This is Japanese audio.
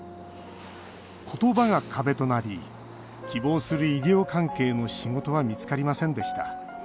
言葉が壁となり希望する医療関係の仕事は見つかりませんでした。